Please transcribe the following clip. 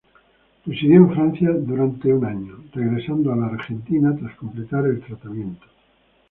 Residió en Francia durante un año, regresando a la Argentina tras completar el tratamiento.